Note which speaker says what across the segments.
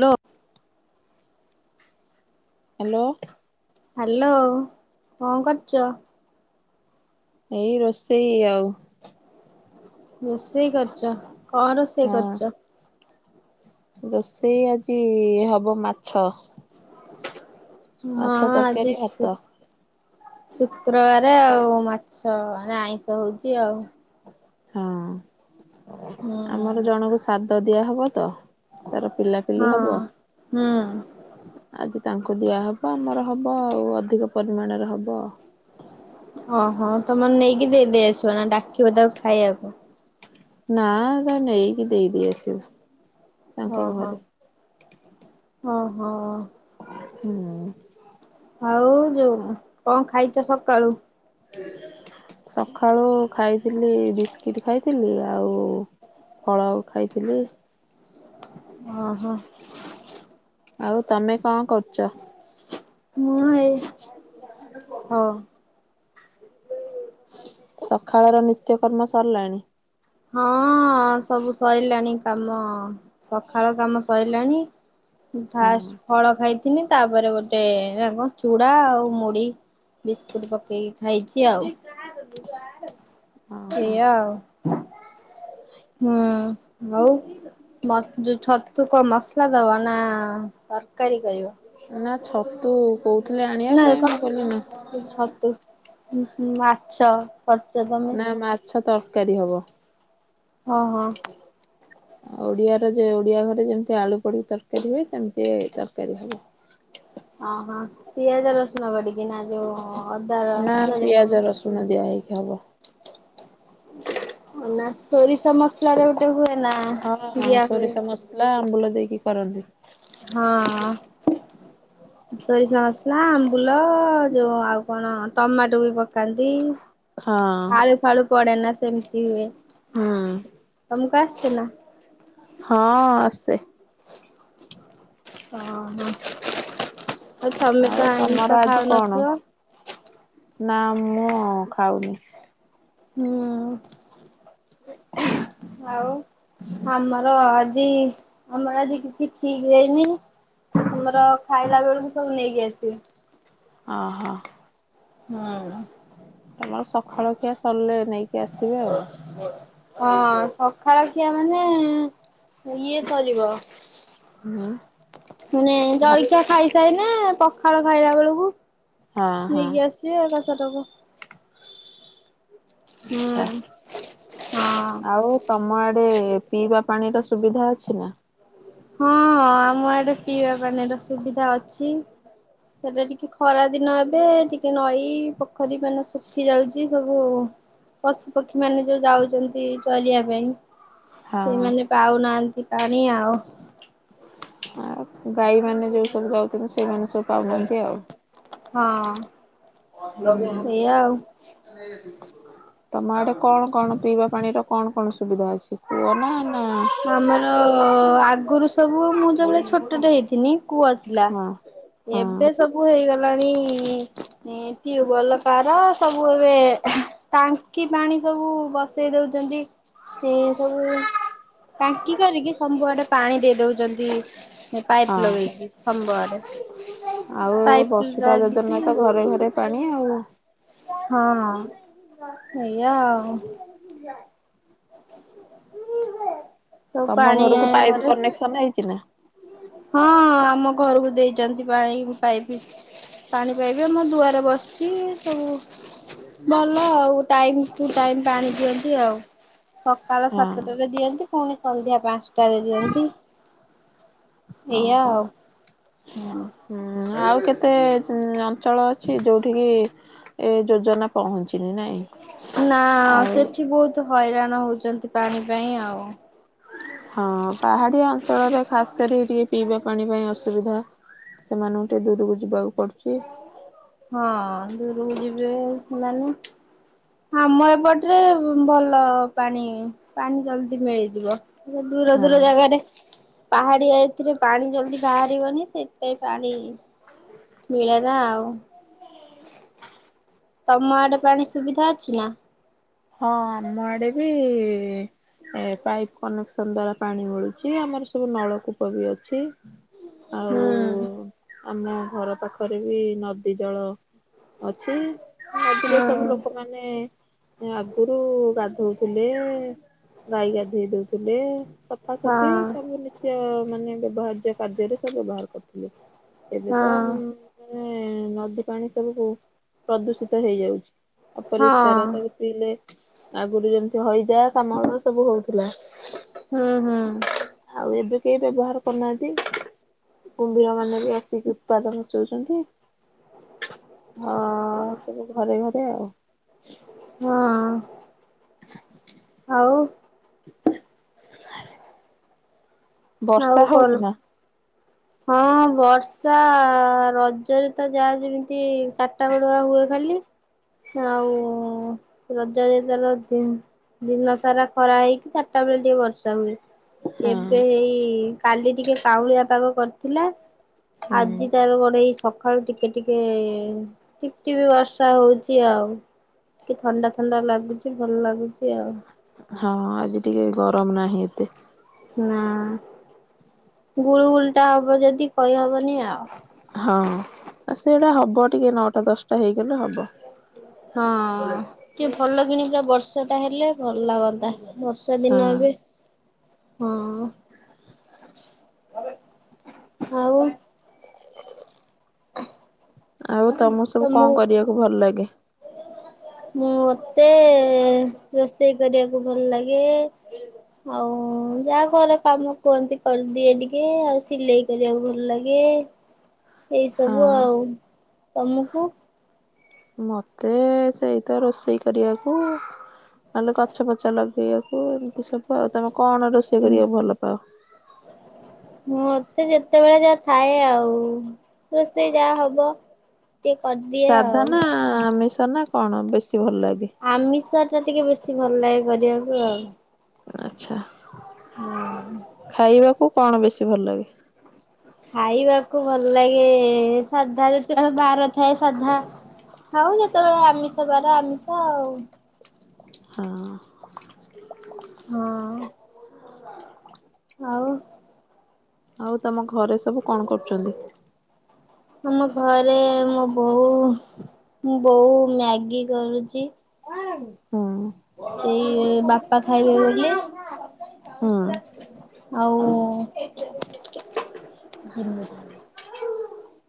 Speaker 1: ଲୋ hello.
Speaker 2: Hello କଣ କରୁଚ?
Speaker 1: ଏଇ ରୋଷେଇ ଆଉ।
Speaker 2: ରୋଷେଇ କରୁଚ। କଣ ରୋଷେଇ
Speaker 1: ହଁ
Speaker 2: କରୁଚ?
Speaker 1: ରୋଷେଇ ଅଜିଇଇ ହବ ମାଛ।
Speaker 2: ହଁ
Speaker 1: ମାଛ
Speaker 2: ଆଜି
Speaker 1: ତରକାରୀ ଭାତ
Speaker 2: ଶୁ୍କ୍ ଶୁକ୍ରବାର ଆଉ ମାଛ ନା ଆଇଁଷ ହଉଛି ଆଉ।
Speaker 1: ହଁ
Speaker 2: ହୁଁ
Speaker 1: ଆମର ଜଣଙ୍କୁ ସା ଦିଆହବତ ତାର ପିଲାପିଲି
Speaker 2: ହଁ।
Speaker 1: ହବ।
Speaker 2: ହୁଁ
Speaker 1: [inaudible] ଆଜି ତାଙ୍କୁ ଦିଆହବ ଆମର ହବ ଆଉ ଅଧିକ ପରିମାଣରେ ହବ।
Speaker 2: ଓହୋ ତମେ ନେଇକି ଦେଇ ଦେଇ ଆସିବ ନା ଡାକିବ ତାକୁ ଖାଇଆକୁ।
Speaker 1: ନା ତା ନେଇକି ଦେଇଦେଇ ଆସିବୁ।
Speaker 2: ଅ
Speaker 1: ତାଙ୍କ
Speaker 2: ହଁ।
Speaker 1: ଘରେ
Speaker 2: ଓହୋ।
Speaker 1: ହୁଁ। [inaudible]
Speaker 2: ଆଉ ଯୋଉ କଣ ଖାଇଚ ସକାଳୁ?
Speaker 1: ସକାଳୁ ଖାଇଥିଲି ବିସ୍କିଟ୍ ଖାଇଥିଲି ଆଉ ଫଳ ଖାଇଥିଲି।
Speaker 2: ଓହୋ।
Speaker 1: ଆଉ ତମେ କଣ କରୁଛ?
Speaker 2: ମୁଁ ଏଇ [inaudible] ହଁ।
Speaker 1: ସକାଳର ନିତ୍ୟକର୍ମ ସରିଲାଣି?
Speaker 2: ହଁ ସବୁ ସରିଲାଣି କାମ ସକାଳ କାମ ସରିଲାଣି
Speaker 1: ହଁ
Speaker 2: ଫାଷ୍ଟ ଫଳ ଖାଇଥିନି ତାପରେ ଗୋଟେ କଣ ଚୁଡ଼ା ଆଉ ମୁଢି ବିସ୍କୁଟ ପକେଇକି ଖାଇଛି ଆଉ।
Speaker 1: ଓହୋ
Speaker 2: ଏଇଆଉ। [inaudible] ହୁଁ ଆଉ ଯୋଉ ଛତୁକ ମସଲା ଦବ ନା ତରକାରୀ କରିବ?
Speaker 1: ନା ଛତୁ କହୁଥିଲେ ଆଣିବା
Speaker 2: ନା
Speaker 1: ପାଇଁ ମୁଁ କହିଲି ନା।
Speaker 2: ଉଁ ହୁଁ ମାଛ। କରିଛ ତମେ
Speaker 1: ନା ମାଛ ତ କରି ହବ
Speaker 2: ହଁ ହଁ।
Speaker 1: ଆ ଓଡିଆର ଓଡିଆ ଘରେ ଯେମିତି ଆଳୁ ପଡ ତରକାରୀ ହୁଏ ସେମିତି ତରକାରୀ ହବ।
Speaker 2: ଓହୋ ପିଆଜ ରସୁଣ ବଡିକିନା ଯୋଉ ଅଦା
Speaker 1: ନା
Speaker 2: ଯୋଉ କଣ
Speaker 1: ପିଆଜ ରସୁଣ ଦିଆଇ ହେବ।
Speaker 2: ନା ସୋରିଷ ମସଲାରେ ଗୋଟେ ହୁଏ। ନା
Speaker 1: ହଁ ହଁ
Speaker 2: ଦିଆ ହୁଏ
Speaker 1: ସୋରିଷ ମସଲା ଆମ୍ବୁଳ ଦେଇକି। କି କରନ୍ତି।
Speaker 2: ହଁ। ସୋରିଷ ମସଲା ଅମ୍ବୁଲ ଯୋଉ ଆଉ କଣ ଟମାଟୋ ବି ପକାନ୍ତି।
Speaker 1: ହଁ
Speaker 2: ଆଳୁ ଫାଳୁ ପଡେ ନା ସେମିତି ହୁଏ।
Speaker 1: ହୁଁ
Speaker 2: ତମକୁ ଆସେ ନା?
Speaker 1: [inaudible] ହଁ ଆସେ।।
Speaker 2: ହଁ ହଁ। ଆଉ ତମେ ତ
Speaker 1: ତମର
Speaker 2: ଆଇଷ
Speaker 1: ଆଜି କଣ
Speaker 2: ଖାଉନଥିବ?
Speaker 1: ନା ମୁଁ ଖାଉନି।
Speaker 2: ହୁଁ ଆଉ ଆମର ଆଜି ଆମର ଆଜି କିଛି ଠିକ ହେଇନି ଆମର ଖାଇଲା ବେଳକୁ ସବୁ ନେଇକି ଆସିବେ।
Speaker 1: ଓହୋ।
Speaker 2: ହଁ।
Speaker 1: ତମର ସକାଳ ଖିଆ ସରିଲେ ନେଇକି ଆସିବେ ଆଉ
Speaker 2: ହଁ ସଖାଳ ଖିଆ ମାନେ ଇଏ ସରିବ।
Speaker 1: ହୁଁ
Speaker 2: ମାନେ
Speaker 1: ଭାତ
Speaker 2: ଜଳଖିଆ ଖାଇ ଯାଇନ ପଖାଳ ଖାଇଲା ବେଳକୁ
Speaker 1: ହଁ ହଁ
Speaker 2: ନେଇକି ଆସିବ ତା ଛୁଆଟାକୁ।
Speaker 1: ଆଚ୍ଛା
Speaker 2: ହଁ
Speaker 1: ଆଉ ତମ ଆଡ୍‌ ଡେ ପିଇବା ପାଣିର ସୁବିଧା ଅଛି ନା?
Speaker 2: ହଁ ଆମ ଆଡେ ପିଇବା ପାଣିର ସୁବିଧା ଅଛି। ସେଟା ଟିକେ ଖରାଦିନ ଏବେ ଟିକେ ନଈ ପୋଖରୀ ମାନେ ଶୁଖି ଯାଉଚି। ସବୁ ପଶୁପକ୍ଷୀ ମାନେ ଯୋଉ ଯାଉଚନ୍ତି ଚରିବା ପାଇଁ ସେଇମାନେ ପାଉନାହାଁନ୍ତି। ପାଣି ଆଉ।
Speaker 1: ଆଉ ଗାଈ ମାନେ ଯୋଉ ସବୁ ଯାଉଚନ୍ତି ସେଇମାନେ ସବୁ ପାଉନାହାନ୍ତି ଆଉ।
Speaker 2: ହଁ ଏଇଆ
Speaker 1: ହୁଁ
Speaker 2: ଆଉ।
Speaker 1: ତମ ଆଡେ କଣ କଣ ପିଇବା ପାଣିର କଣ କଣ ସୁବିଧା ଅଛି? କୂଅ ନା ନା
Speaker 2: ଆମର ଅ ଆଗରୁ ସବୁ ଆଉ ମୁଁ ଯୋଉ ବେଳେ ଛୋଟଟେ ହେଇଥିନି କୂଅ ଥିଲା।
Speaker 1: ହଁ ହଁ
Speaker 2: ଏବେ ସବୁ ହେଇଗଲା ଗଲାଣି ଟିଉବଲ କାହାର ସବୁ ଏବେ ଟାଙ୍କି ପାଣି ସବୁ ବସେଇ ଦଉଚନ୍ତି। ସିଏ ସବୁ ଟାଙ୍କି କରିକି ସବୁଆଡେ ପାଣି ଦେଇ ଦଉଚନ୍ତି
Speaker 1: ହଁ ଆଉ ଏବେ
Speaker 2: ପାଇପ୍
Speaker 1: ବସୁଧା
Speaker 2: ଲାଗିଛି
Speaker 1: ଯୋଜନାରେ ତ ଘରେ ଘରେ ପାଣି ଆଉ।
Speaker 2: ହଁ ହଁ ସେଇଆ ଆଉ। ସବୁ
Speaker 1: ତମ
Speaker 2: ପାଣି
Speaker 1: ଘରକୁ ପାଇପ
Speaker 2: ଘରେ
Speaker 1: କନେକ୍ସନ ହେଇଚି ନା?
Speaker 2: ହଁ ଆମ ଘରକୁ ଦେଇଚନ୍ତି ପାଣି ପାଇପି। ପାଣି ପାଇପି ଆମ ଦୁଆରେ ବସିଚି ଇ। ଉ ଭଲ ଆଉ ଟାଇମ୍ ଟୁ ଟାଇମ୍ ପାଣି ଦିଅନ୍ତି ଆଉ। ସକାଳ
Speaker 1: ହଁ
Speaker 2: ସାତଟାରେ ଦିଅନ୍ତି ପୁଣି ସନ୍ଧ୍ୟା ପାଞ୍ଚ ଟାରେ ଦିଅନ୍ତି। ଏଇଆ
Speaker 1: ଓହୋ
Speaker 2: ଆଉ।
Speaker 1: ହୁଁ ଆଉ କେତେ ହୁଁ ଲ ଚଳଳ ଅଛି ଯେଉଁଠିକି ଏ ଯୋଜନା ପହଞ୍ଚି
Speaker 2: ନା ସେଠି ବହୁତ ହଇରାଣ ହଉଚନ୍ତି ପାଣି ପାଇଁ ଆଉ।
Speaker 1: ହଁ। ପାହାଡ଼ିଆ ଅଞ୍ଚଳରେ ଖାସ୍ କରି ଟିକେ ପିଇବା ପାଣି ପାଇଁ ଅସୁବିଧା ସେମାନଙ୍କୁ ଟିକେ ଦୂରକୁ ଯିବାକୁ ପଡ଼ୁଚି।
Speaker 2: ହଁ ଦୂରକୁ ଯିବେ ସେମାନେ ଆମ ଏପଟରେ ଭଲ ପାଣି ପାଣି ଜଲଦି ମିଳିଯିବ ଦୂର
Speaker 1: ହଁ।
Speaker 2: ଦୂର ଜାଗାରେ ପାହାଡିଆ ଏଥିରେ ପାଣି ଜଲଦି ବାହାରିବନି ସେଥିପାଇଁ ପାଣି ମିଳେନା ଆଉ ତମ ଆଡେ ପାଣି ସୁବିଧା ଅଛି ନା
Speaker 1: ହଁ ଆମ ଆଡେ ଏ ବି ପାଇପ କନେକ୍ସନ ଦ୍ଵାରା ପାଣି ମିଳୁଛି ଆମର ସବୁ ନଳକୂପ ବି ଅଛି
Speaker 2: ହୁଁ
Speaker 1: ଆଉ ଆମ ଘର ପାଖରେ ବି ନଦୀ ଜଳ ଅଛି ମଜିରେ ସବୁ
Speaker 2: ହଁ
Speaker 1: ଲୋକମାନୋନେ ଆଗରୁ ଗଧାଉ ଥିଲେ ଗାଈ ଗାଧେଇ ଦଉଥିଲେ ସଫାସଫି
Speaker 2: ହଁ
Speaker 1: ତାବୁ ନି ମାନେ ବାହାଘର କାର୍ଯ୍ୟରେ ସବୁ ବାହାର କରିଥିଲେ ଏବେ ତ ନଦୀ ପାଣି ସବୁ ପ୍ରଦୂଷିତ ହେଇଯାଉଛି
Speaker 2: ହଁ ହଁ
Speaker 1: ଅପରିଷ୍କାରତା ଆଗରୁ ଯେମତି ହଇଜା କାମଳ ସବୁ ହଉଥିଲା
Speaker 2: ହୁଁ ହୁଁ
Speaker 1: କିଏ ବ୍ୟବହାର କରୁନାହାନ୍ତି କୁମ୍ଭୀର ମାନେ ବି ଆସିକି ଉତ୍ପାଦନ ଚଉଛନ୍ତି
Speaker 2: ହଁ
Speaker 1: ଏବେ ସବୁ ଘରେ ଘରେ ସେ ଆଉ
Speaker 2: ହଁ ଆଉ ଆଉ
Speaker 1: ବର୍ଷା
Speaker 2: କଣ?
Speaker 1: ହଉଚି ନା
Speaker 2: ହଁ ବର୍ଷା ରଜରେ ତ ଯାହା ଯେମିତି ଚାରିଟା ବେଳୁଆ ହୁଏ ଖାଲି ଆଉ ରଜରେ ତାର ଦିନ ସାରା ଖରା ହେଇକି ଚାରିଟା ବେଳେ ଟିକେ ବର୍ଷା ହୁଏ
Speaker 1: ହଁ
Speaker 2: ଏବେ ଏଇ କାଲି ଟିକେ ପାଉଳିଆ ପାଗ କରି ଥିଲା
Speaker 1: ହୁଁ।
Speaker 2: ଆଜି ତାର ଗୋଟେଇ ସକାଳୁ ଟିକେ ଟିକେ ପଟିପ ବର୍ଷା ହଉଛି ଆଉ ଟିକେ ଥଣ୍ଡା ଥଣ୍ଡା ଲାଗୁଛି ଭଲ ଲାଗୁଛି ଆଉ।
Speaker 1: ହଁ ଆଜି ଟିକେ ଗରମ ନାହିଁ ଏତେ।
Speaker 2: ନା ଗୁଳ ଗୁଲିଟା ହବ ଯଦି କହିହବନି ଆଉ।
Speaker 1: ହଁ ସେଇଟା ହବ ଟିକେ ନଅଟା ଦଶଟା ହେଇକି ମାନେ ହବ।
Speaker 2: ହଁ ଟିକେ ଭଲ କିଣି ପା ବର୍ଷା ଟା ହେଲେ ଭଲ ଲାଗନ୍ତା ବର୍ଷା ଦିନ
Speaker 1: ହଁ।
Speaker 2: ଏବେ ହଁ [inaudible] ଆଉ
Speaker 1: ଆଉ ତମକୁ ସବୁ କଣ କରିବାକୁ ଭଲ ଲାଗେ?
Speaker 2: ମୁଁ ମତେ ରୋଷେଇ କରିବାକୁ ଭଲ ଲାଗେ। ଆଉ ଯାହା ଘର କାମ କୁହନ୍ତି କରିଦିଏ ଟିକେ ଆଉ ସିଲେଇ କରିବାକୁ ଭଲ ଲାଗେ। ଏଇ
Speaker 1: ହଁ
Speaker 2: ସବୁ ଆଉ ତମକୁ-?
Speaker 1: ମତେ ସେଇ ତ ରୋଷେଇ କରିବାକୁ ନହେଲେ ଗଛ ପଛା ଲଗେଇବାକୁ ଏମତି ସବୁ ଆଉ ତମ କଣ ରୋଷେଇ କରିବା ଭଲ ପାଅ?
Speaker 2: ମତେ ଯେତେବେଳେ ଯାହା ଥାଏ ଆଉ ରୋଷେଇ ଯାହା ହବ ଟିକେ କରିଦିଏ
Speaker 1: ସାଧା
Speaker 2: ଆଉ।
Speaker 1: ନା ମିଶ ନା କଣ ବେଶ
Speaker 2: ଆମିଷ ଟା ଟିକେ ବେଶୀ କିଛି ଭଲ ଲାଗେ କରିବାକୁ ଆଉ।
Speaker 1: ଆଚ୍ଛା।
Speaker 2: ହଁ।
Speaker 1: ତେ ଭଲ ଲାଗେ
Speaker 2: ଖାଇବାକୁ ଭଲ ଲାଗେ ସାଧା ଯେତେବେଳେ ବାର ଥାଏ ସାଧା ହଉ ଯେତେବେଳେ ଆମିଷ ବାର ଆମିଷ ଆଉ।
Speaker 1: ହଁ। [inaudible]
Speaker 2: ହଁ। ଆଉ
Speaker 1: ଆଉ ତମ ଘରେ ସବୁ କଣ କରୁଛନ୍ତି?
Speaker 2: ଆମ ଘରେ ମୋ ବୋଉ ମୁ ବୋ ମ୍ୟାଗି କରୁଛି।
Speaker 1: ହୁଁ।
Speaker 2: ସେଇ ବାପା ଖାଇବେ ବୋଲି [inaudible] ଆଉ [inaudible] ହୁଁ।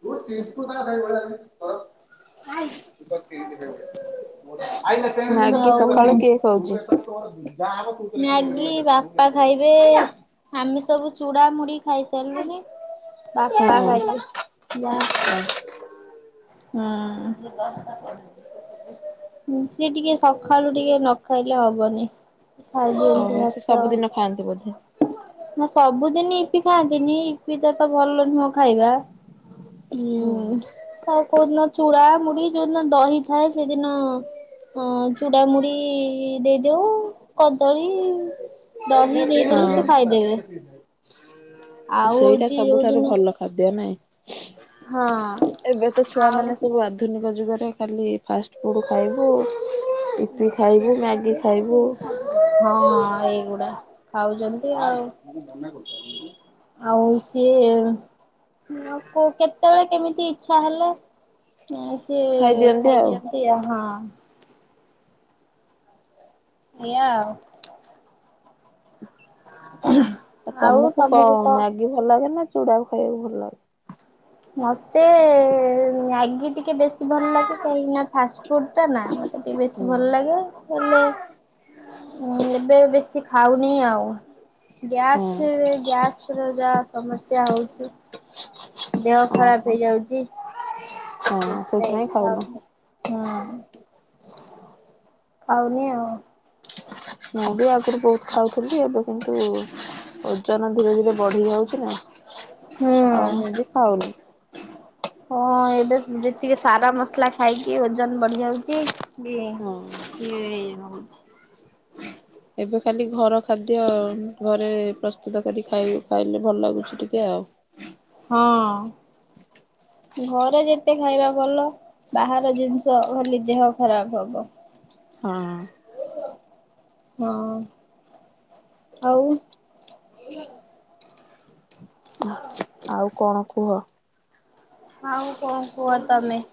Speaker 1: [inaudible] [inaudible] [inaudible] ମ୍ୟାଗି
Speaker 2: ଆଉ
Speaker 1: ସକାଳୁ କିଏ ଖାଉଛି? [inaudible]
Speaker 2: ମ୍ୟାଗି ବାପା ଖାଇବେ ଆମେ ସବୁ ଚୁଡ଼ା ମୁୁଡି ଖାଇସାରିଲୁନି ବାପା
Speaker 1: ହୁଁ
Speaker 2: ଖାଇବେ ଯା। ହୁଁ [inaudible] ସି ଟିକେ ସଖଳୁ ଟିକେ ନ ଖାଇଲେ ହବନି। ଖାଇଦିଅନ୍ତି
Speaker 1: ଓହୋ ସେ
Speaker 2: ଭାତ।
Speaker 1: ସବୁଦିନ ଖାଆନ୍ତି ବୋଧେ
Speaker 2: ନା ସବୁଦିନ ଇପି ଖାଆନ୍ତିନି ଇପି ତ ତ ଭଲ ନୁହଁ ଖାଇବା [inaudible] ଉଁ
Speaker 1: ହଁ
Speaker 2: ସ କୋଉଦିନ ଚୁଡ଼ାମୁଡି ଯୋଉଦିନ ଦହି ଥାଏ ସେଦିନ ଚୂଡ଼ାମୁଡି ଦେଇଦଉ କଦଳୀ ଦହି ଦେଇଦେଲି
Speaker 1: [inaudible]
Speaker 2: ଆଉ
Speaker 1: ସେଇଟା
Speaker 2: ହଉଛି
Speaker 1: ସବୁଠାରୁ
Speaker 2: ଯୋଉଦିନ
Speaker 1: ଭଲ ଖାଦ୍ୟ
Speaker 2: ହଁ
Speaker 1: ନାଇଁ ଏବେ ତ ଛୁଆ
Speaker 2: ଆଉ
Speaker 1: ମାନେ ସବୁ ଆଧୁନିକ ଯୁଗରେ ଖାଲି ଫାଷ୍ଟଫୁଡ଼ ଖାଇବୁ ଇପି ଖାଇବୁ ମ୍ୟାଗି ଖାଇବୁ
Speaker 2: ହଁ ଏଇଗୁଡ଼ା ଖାଉଛନ୍ତି ଆଉ ଆଉ ସିଏ ଆ କ କେତେବେଳେ କେମିତି ଇଚ୍ଛା ହେଲେ। ସିଏ
Speaker 1: ଖାଇଦିଅନ୍ତି ଆଉ।
Speaker 2: ଖାଇଦିଅନ୍ତି ଅ ହଁ। ଏଇଆ ଆଉ।
Speaker 1: ଆଉ ତମକୁ କ ମାଗି ଭଲ ଲାଗେ ନା ଚୁଡ଼ାକୁ ଖାଇବାକୁ ଭଲ ଲାଗେ।
Speaker 2: ମତେ। ମାଗି ଟିକେ ଟିକେ ବେଶୀ ଭଲ ଲାଗେ କାହିଁକି ନା ଫାଷ୍ଟଫୁଡ ଟା ନା। ମତେ ଟିକେ ବେଶୀ
Speaker 1: ହୁଁ।
Speaker 2: ଭଲ ଲାଗେ ।ହେଲେ ଏବେ ବେଶୀ ଖାଉନି ଆଉ ଗ୍ୟାସ
Speaker 1: ହୁଁ
Speaker 2: ଗ୍ୟାସ ର ଯା ସମସ୍ୟା ହଉଛି। ଦେହ ଖରାପ
Speaker 1: ଓହୋ
Speaker 2: ହେଇଯାଉଛି। ସେ
Speaker 1: ହଁ
Speaker 2: ସେଇ
Speaker 1: ସେଇଥିପାଇଁ ଖାଉନ
Speaker 2: ହଉ ହୁଁ। ଖାଉନି ଆଉ।
Speaker 1: ମୁଁ ବି ଆଗରୁ ବହୁତ ଖାଉଥିଲି। ଏବେ କିନ୍ତୁ ଓଜନ ଧୀରେ ଧୀରେ ବଢି ଯାଉଛି ନା। ଆଉ
Speaker 2: ହୁଁ।
Speaker 1: ମୁଁ ବି ଖାଉନି।
Speaker 2: ହଁ ଏବେ ଯେତିକି ସାର ମସଲା ଖାଇକି ଓଜନ ବଢି ଯାଉଛି ବି
Speaker 1: ହଁ।
Speaker 2: ଏ ହଉଛି।
Speaker 1: ଏବେ ଖାଲି ଘର ଖାଦ୍ୟ ଘରେ ପ୍ରସ୍ତୁତ କରି ଖାଇ ଖାଇଲେ। ଭଲ ଲାଗୁଛି ଟିକେ ଆଉ।
Speaker 2: ହଁ ଘରେ ଯେତେ ଖାଇବା ଭଲ ।ବାହାର ଜିନିଷ ଖାଲି ଦେହ ଖରାପ ହବ।
Speaker 1: ହଁ।
Speaker 2: ହଁ [inaudible] ଆଉ। [inaudible]
Speaker 1: ଆଉ କଣ କୁହ।
Speaker 2: ଆଉ କଣ କୁହ ତମେ। [inaudible]